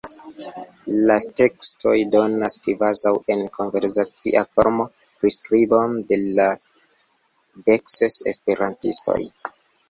La tekstoj donas, kvazaŭ en konversacia formo, priskribon de la dek ses esperantistoj.